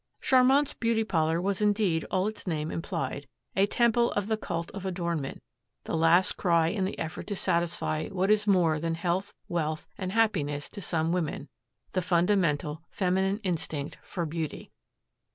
Charmant's Beauty Parlor was indeed all its name implied, a temple of the cult of adornment, the last cry in the effort to satisfy what is more than health, wealth, and happiness to some women the fundamental feminine instinct for beauty.